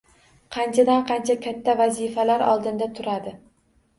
Qanchadan-qancha katta vazifalar oldinda turadi.